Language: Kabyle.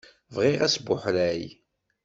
Bɣiɣ asbuḥray.